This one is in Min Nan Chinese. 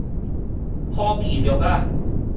普其略仔